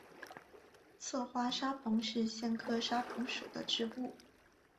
侧花沙蓬是苋科沙蓬属的植物。